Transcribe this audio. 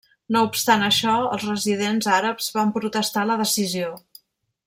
No obstant això, els residents àrabs van protestar la decisió.